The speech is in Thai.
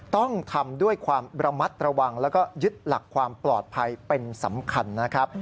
ต้องทำด้วยความระมัดระวังแล้วก็ยึดหลักความปลอดภัยเป็นสำคัญนะครับ